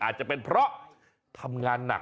อาจจะเป็นเพราะทำงานหนัก